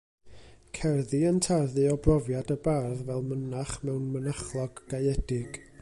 Cerddi yn tarddu o brofiad y bardd fel mynach mewn mynachlog gaeedig.